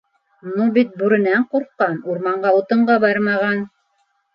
Ну бит бүренән ҡурҡҡан - урманға утынға бармаған.